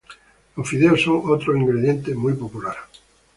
Los fideos son otro ingrediente muy popular.